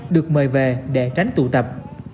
được mời về để tránh tụ tập